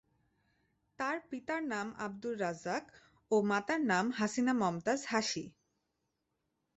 তার পিতার নাম আব্দুর রাজ্জাক ও মাতার নাম হাসিনা মমতাজ হাসি।